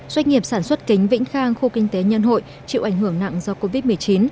doanh nghiệp sản xuất kính vĩnh khang khu kinh tế nhân hội chịu ảnh hưởng nặng do covid một mươi chín